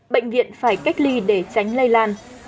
bệnh viện phải cách ly để tránh lây lan